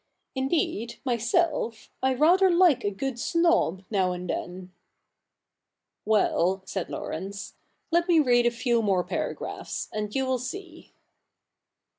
Indeed, myself, I rather like a good snob now and then.' 'Well,' said Laurence, 'let me read a few more paragraphs, and you will see.